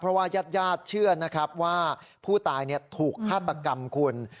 เพราะว่าญาติเชื่อนะครับว่าผู้ตายถูกฆาตกรรมคุณ